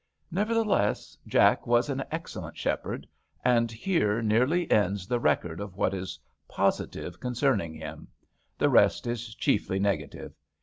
Neverthe less, Jack was an excellent shepherd, and here nearly ends the record of what is positive concerning him. The rest is chiefly negative.